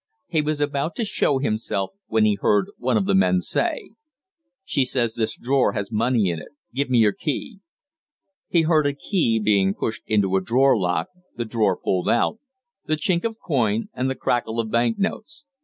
He was about to show himself, when he heard one of the men say: "'She says this drawer has money in it: give me your key.' "He heard a key being pushed into a drawer lock, the drawer pulled out, the chink of coin and the crackle of bank notes.